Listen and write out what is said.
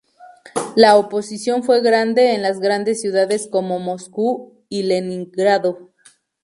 La oposición fue grande en las grandes ciudades como Moscú y Leningrado.